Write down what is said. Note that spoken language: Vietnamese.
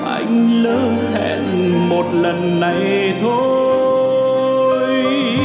anh lỡ hẹn một lần này thôi